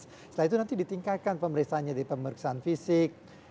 setelah itu nanti ditinggalkan pemeriksaannya di pemeriksaan fisik